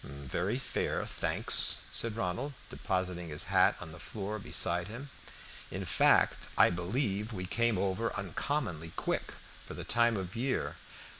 "Very fair, thanks," said Ronald, depositing his hat on the floor beside him, "in fact I believe we came over uncommonly quick for the time of year.